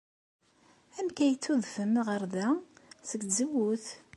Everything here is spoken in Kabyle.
Amek ay d-tudfem ɣer da? Seg tzewwut.